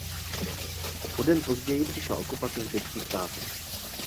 O den později přišla okupace zbytku státu.